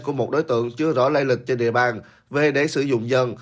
của một đối tượng chưa rõ lai lịch trên địa bàn về để sử dụng dần